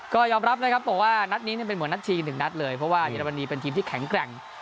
ก็ยอมรับนะครับบอกว่านัดนี้เป็นเหมือนนัดชิง๑นัดเลยเพราะว่าเยอรมนีเป็นทีมที่แข็งแกร่ง